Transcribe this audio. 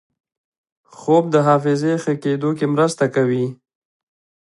خوب د حافظې ښه کېدو کې مرسته کوي